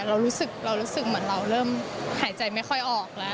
เรารู้สึกเหมือนเราเริ่มหายใจไม่ค่อยออกแล้ว